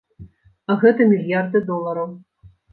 А гэта мільярды долараў.